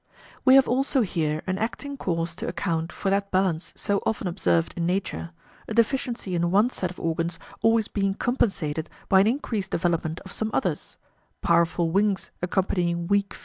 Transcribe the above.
We have also here an acting cause to account for that balance so often observed in nature, a deficiency in one set of organs always being compensated by an increased development of some others powerful wings accompanying weak [[p.